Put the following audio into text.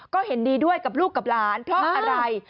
ก็เห็นดีด้วยกับลูกกับหลานเพราะอะไร